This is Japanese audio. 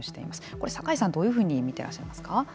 これ、酒井さんどういうふうに見ていらっしゃいますか。